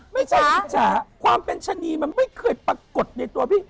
ไม่ใช่อิจฉาความเป็นชะนีมันไม่เคยปรากฏในตัวพี่